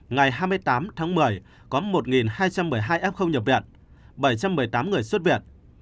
ngày hai mươi tám tháng một mươi có một hai trăm một mươi hai f nhập viện bảy trăm một mươi tám người xuất viện